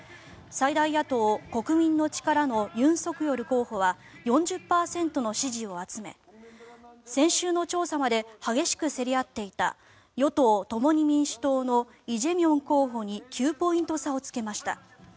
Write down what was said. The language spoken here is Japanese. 最大野党・国民の力のユン・ソクヨル候補は４０％の支持を集め先週の調査まで激しく競り合っていた与党・共に民主党のイ・ジェミョン候補に９ポイント差をつけました。